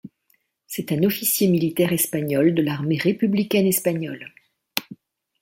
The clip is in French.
C'est un officier militaire espagnol de l'armée républicaine espagnole.